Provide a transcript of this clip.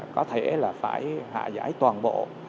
có thể là phải hạ giải toàn bộ